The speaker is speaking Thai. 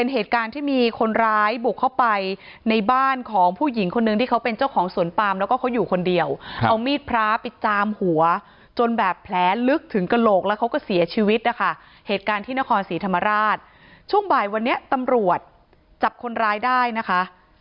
เหตุการณ์ที่นครศรีธรรมราชช่วงบ่ายวันนี้ตำรวจจับคนร้ายได้นะคะ